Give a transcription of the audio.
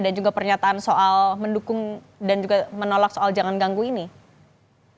dan juga pernyataan soal mendukung dan juga menolak soal jangan ganggu ini